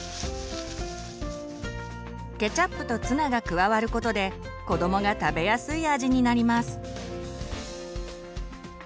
ケチャップとツナが加わることで子どもが食べやすい味になります。